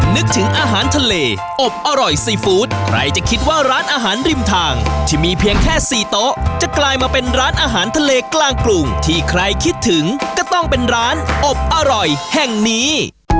นึกถึงอาหารทะเลอบอร่อยซีฟู้ดใครจะคิดว่าร้านอาหารริมทางที่มีเพียงแค่๔โต๊ะจะกลายมาเป็นร้านอาหารทะเลกลางกรุงที่ใครคิดถึงก็ต้องเป็นร้านอบอร่อยแห่งนี้